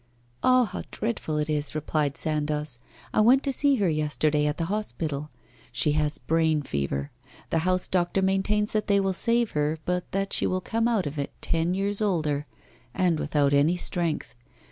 'Ah! how dreadful it is!' replied Sandoz. 'I went to see her yesterday at the hospital. She has brain fever. The house doctor maintains that they will save her, but that she will come out of it ten years older and without any strength.